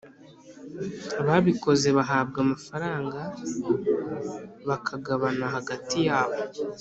Ababikoze bahabwa amafaranga bakagabana hagati yabo